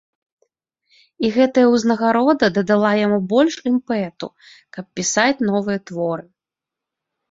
І гэтая ўзнагарода дадала яму больш імпэту, каб пісаць новыя творы.